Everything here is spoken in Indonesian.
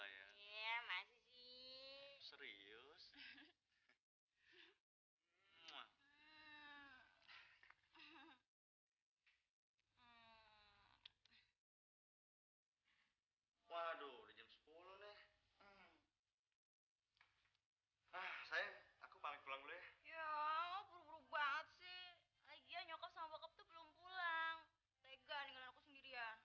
benernya lebih cantik mana sih